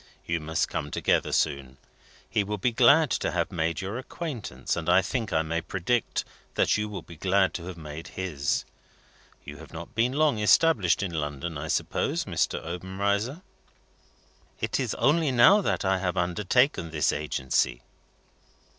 "You must come together soon. He will be glad to have made your acquaintance, and I think I may predict that you will be glad to have made his. You have not been long established in London, I suppose, Mr. Obenreizer?" "It is only now that I have undertaken this agency."